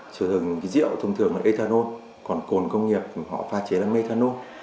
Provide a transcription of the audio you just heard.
còn cồn công nghiệp họ pha chế là methanol